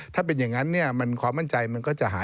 ถ้าเป็นอย่างนั้นเนี่ยมันความมั่นใจมันก็จะหา